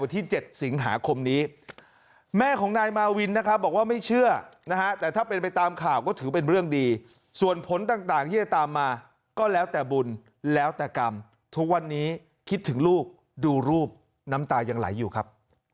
ทุกวันนี้คิดถึงลูกดูรูปน้ำตายังไหลอยู่ครับ